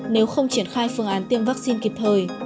nếu không triển khai phương án tiêm vaccine kịp thời